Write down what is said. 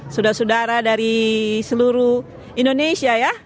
saudara saudara dari seluruh indonesia ya